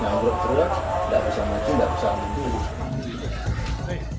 nyanggro terluar nggak usah mengin nggak usah mengin